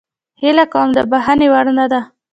هیله کوم د بخښنې وړ نه ده